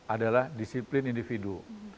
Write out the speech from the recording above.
adalah disiplin individu